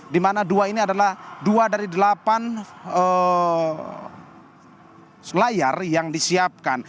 di mana dua ini adalah dua dari delapan layar yang disiapkan